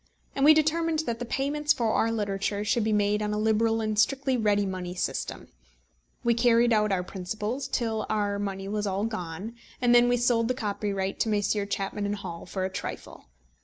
And we determined that the payments for our literature should be made on a liberal and strictly ready money system. We carried out our principles till our money was all gone, and then we sold the copyright to Messrs. Chapman & Hall for a trifle.